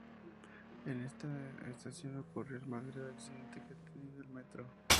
En esta estación ocurrió el más grave accidente que ha tenido el Metro.